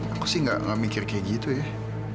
aku sih gak mikir kayak gitu ya